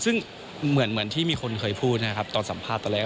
ซึ่งเหมือนที่มีคนเคยพูดนะครับตอนสัมภาษณ์ตอนแรก